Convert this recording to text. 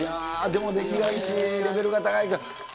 でも出来がいいし、レベルが高いから。